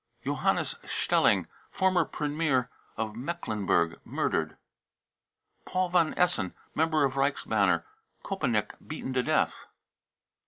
Johannes spelling, former premier of Mecklenburg, murdered. (See report.) paul von essen, member of Reichsbanner, Kopenick, beaten to death.